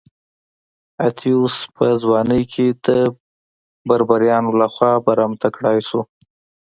اتیوس په ځوانۍ کې د بربریانو لخوا برمته کړای شو.